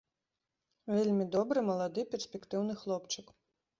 Вельмі добры, малады, перспектыўны хлопчык.